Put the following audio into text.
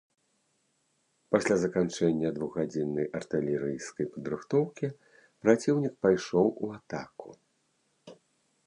Пасля заканчэння двухгадзіннай артылерыйскай падрыхтоўкі праціўнік пайшоў у атаку.